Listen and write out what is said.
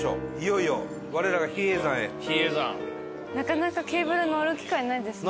なかなかケーブル乗る機会ないですよね。